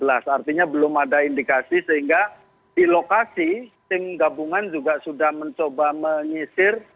artinya belum ada indikasi sehingga di lokasi tim gabungan juga sudah mencoba menyisir